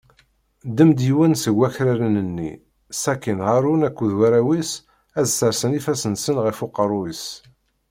Ddem-d yiwen seg wakraren-nni, sakin Haṛun akked warraw-is ad sersen ifassen-nsen ɣef uqerru-s.